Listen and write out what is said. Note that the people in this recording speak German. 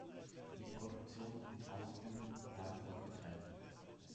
Die Produktion und Ausbildung bleibt aber getrennt.